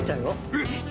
えっ！